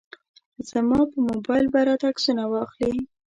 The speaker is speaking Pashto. زما په موبایل به راته عکسونه واخلي.